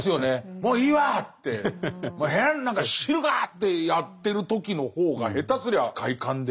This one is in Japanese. もういいわってもう部屋なんか知るかってやってる時の方が下手すりゃ快感で。